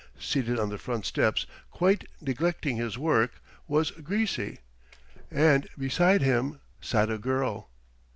Seated on the front steps, quite neglecting his work, was Greasy, and beside him sat a girl.